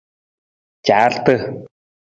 Caarata.